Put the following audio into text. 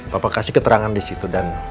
bapak kasih keterangan di situ dan